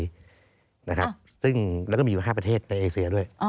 และมีอยู่ครับหลายประเทศในเอเซียด้วย